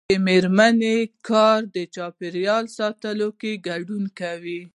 د میرمنو کار د چاپیریال ساتنه کې ګډون کوي.